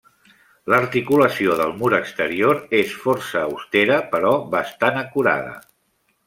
L'articulació del mur exterior és força austera però bastant acurada.